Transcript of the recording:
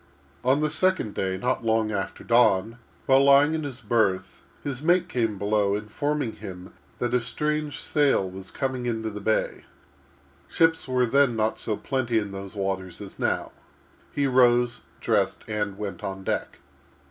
On the second day, not long after dawn, while lying in his berth, his mate came below, informing him that a strange sail was coming into the bay. Ships were then not so plenty in those waters as now. He rose, dressed, and went on deck.